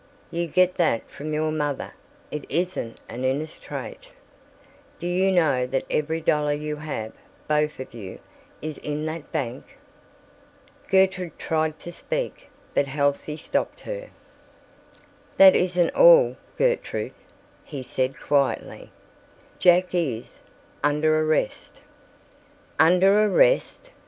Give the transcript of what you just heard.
You get that from your mother; it isn't an Innes trait. Do you know that every dollar you have, both of you, is in that bank?" Gertrude tried to speak, but Halsey stopped her. "That isn't all, Gertrude," he said quietly; "Jack is—under arrest." "Under arrest!"